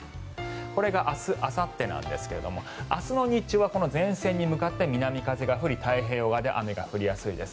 これが明日あさってなんですが明日の日中は前線に向かって南風が吹き太平洋側で雨が降りやすいです。